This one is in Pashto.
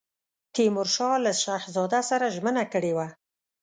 تیمورشاه له شهزاده سره ژمنه کړې وه.